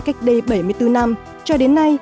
cách đây bảy mươi bốn năm cho đến nay